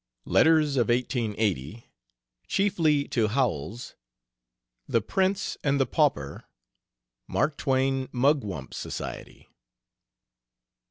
XX. LETTERS OF 1880, CHIEFLY TO HOWELLS. "THE PRINCE AND THE PAUPER." MARK TWAIN MUGWUMP SOCIETY.